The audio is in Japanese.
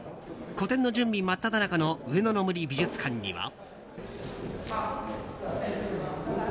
個展の準備真っただ中の上野の森美術館には。